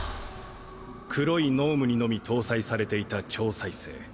黒い脳無にのみ搭載されていた超再生。